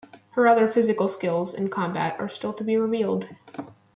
Her other physical skills-in combat-are still to be revealed.